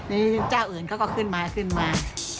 นี่เจ้าอื่นเขาก็ขึ้นมาขึ้นมา